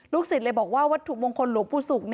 ศิษย์เลยบอกว่าวัตถุมงคลหลวงปู่ศุกร์